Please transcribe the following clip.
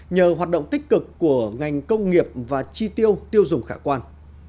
nhờ hoạt động tích cực của ngành công nghiệp và chi tiêu tiêu dùng khả quan